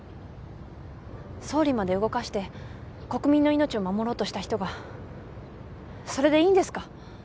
総理まで動かして国民の命を守ろうとした人がそれでいいんですか？